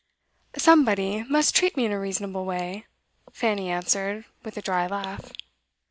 'Somebody must treat me in a reasonable way,' Fanny answered, with a dry laugh.